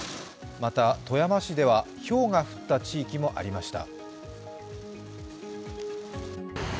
また、富山市ではひょうが降った地域もありました。